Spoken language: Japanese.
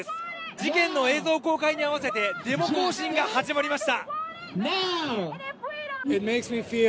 事件の映像公開に合わせてデモ行進が始まりました。